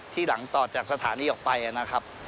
หลังต่อจากสถานีออกไปนะครับ